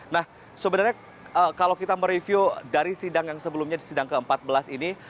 nah sebenarnya kalau kita mereview dari sidang yang sebelumnya di sidang ke empat belas ini